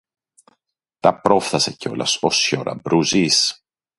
Τα πρόφθασε κιόλα ο σιορ-Αμπρουζής